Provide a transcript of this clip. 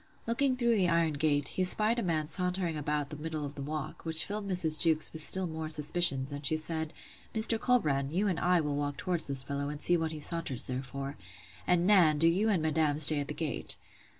Looking through the iron gate, he spied a man sauntering about the middle of the walk; which filled Mrs. Jewkes with still more suspicions; and she said, Mr. Colbrand, you and I will walk towards this fellow, and see what he saunters there for: And, Nan, do you and madam stay at the gate.